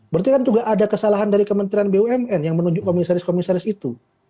berarti kan juga ada kesalahan dari kementerian bumn yang menunjuk komisaris komisaris itu